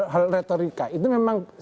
hal retorika itu memang